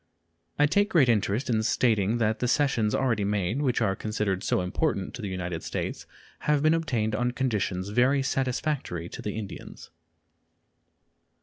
I take great interest in stating that the cessions already made, which are considered so important to the United States, have been obtained on conditions very satisfactory to the Indians.